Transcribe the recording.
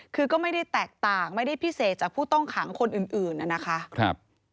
คือก็ไม่ได้แตกต่างไม่ได้พิเศษจากผู้ต้องขังคนอื่นนะคะ